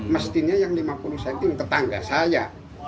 mestinya yang lima puluh cm tetangga saya